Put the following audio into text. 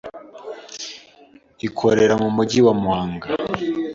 ikorera mu mujyi wa Muhanga,